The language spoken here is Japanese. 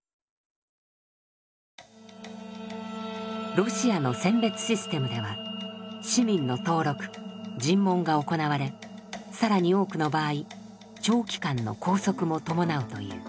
ロシアの選別システムでは市民の登録尋問が行われ更に多くの場合長期間の拘束も伴うという。